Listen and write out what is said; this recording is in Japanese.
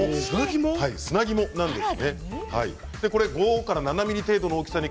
砂肝なんです。